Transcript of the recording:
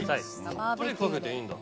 たっぷりかけていいんだ。